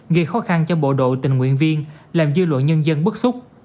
gây khó khăn cho bộ đội tình nguyện viên làm dư luận nhân dân bức xúc